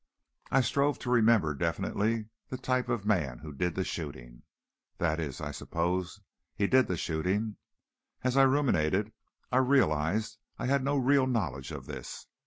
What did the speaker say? I strove to remember definitely the type of man who did the shooting. That is, I supposed he did the shooting. As I ruminated, I realized I had no real knowledge of this.